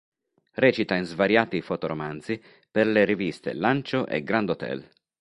Recita in svariati fotoromanzi per le riviste Lancio e "Grand Hotel".